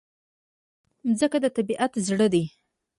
مځکه د طبیعت زړه ده.